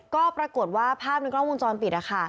ก็ปรากฏว่าภาพในกล้องวงจรปิดนะคะ